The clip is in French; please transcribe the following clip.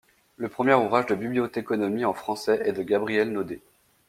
Le premier ouvrage de bibliothéconomie en français est de Gabriel Naudé.